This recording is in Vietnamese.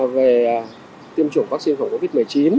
về tiêm chủng vắc xin covid một mươi chín